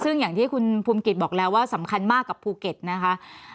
ซึ่งอย่างที่คุณภูมิกิจบอกแล้วว่าสำคัญมากกับภูเก็ตนะคะ